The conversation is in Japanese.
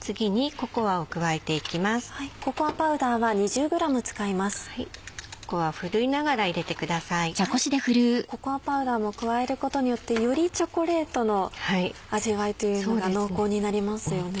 ココアパウダーも加えることによってよりチョコレートの味わいというのが濃厚になりますよね。